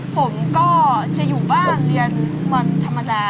ผมก็จะอยู่บ้านเรียนวันธรรมดา